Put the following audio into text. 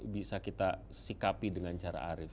bisa kita sikapi dengan cara arif